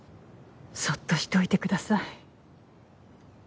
そっとしておいてください。